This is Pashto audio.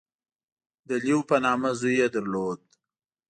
• د لیو په نامه زوی یې درلود.